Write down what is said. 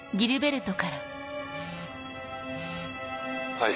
はい。